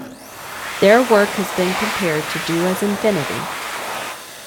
Their work has been compared to Do As Infinity.